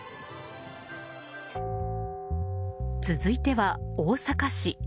続いては大阪市。